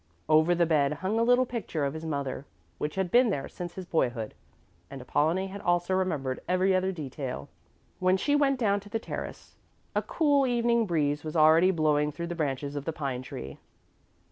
Over the bed hung a little picture of his mother, which had been there since his boyhood, and Apollonie had also remembered every other detail. When she went down to the terrace, a cool evening breeze was already blowing through the branches of the pine tree.